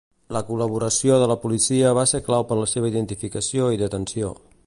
La col·laboració de la policia va ser clau per la seva identificació i detenció.